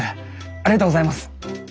ありがとうございます！